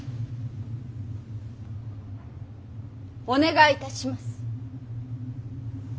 お願いいたします。